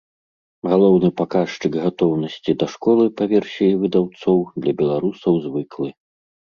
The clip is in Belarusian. Галоўны паказчык гатоўнасці да школы, па версіі выдаўцоў, для беларусаў звыклы.